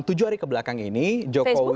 tujuh hari kebelakang ini jokowi